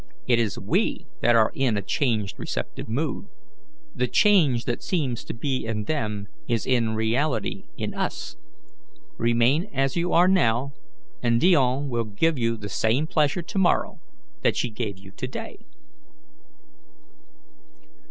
It is we that are in a changed receptive mood. The change that seems to be in them is in reality in us. Remain as you are now, and Dione will give you the same pleasure tomorrow that she gave to day."